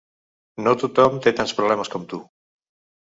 No tothom té tants problemes com tu.